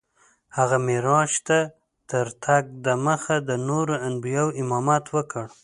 هغه معراج ته تر تګ دمخه د نورو انبیاوو امامت وکړ.